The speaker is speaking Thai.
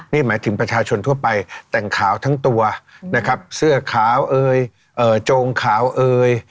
นี่หมายถึงประชาชนทั่วไปแต่งขาวทั้งตัวนะครับเสื้อขาวเอ่ยโจงขาวเอ่ย